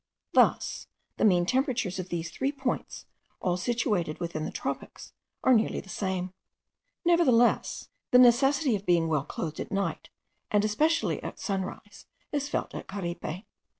Thus the mean temperatures of these three points, all situated within the tropics, are nearly the same. The necessity of being well clothed at night, and especially at sunrise, is felt at Caripe.